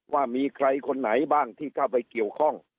ว่ามีใครคนไหนบ้างที่เข้าไปเกี่ยวข้อง